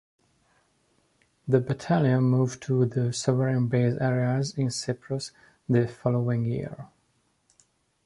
The battalion moved to the Sovereign Base Areas in Cyprus the following year.